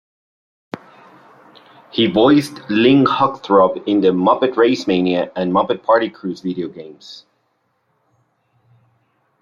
He voiced Link Hogthrob in the "Muppet RaceMania" and "Muppet Party Cruise" video games.